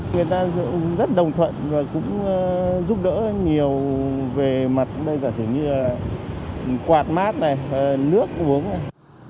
người ta cũng rất đồng thuận và cũng giúp đỡ nhiều về mặt bây giờ như là quạt mát này nước uống